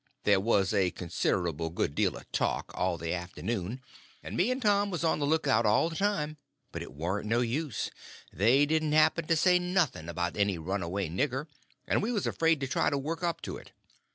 There was a considerable good deal of talk all the afternoon, and me and Tom was on the lookout all the time; but it warn't no use, they didn't happen to say nothing about any runaway nigger, and we was afraid to try to work up to it.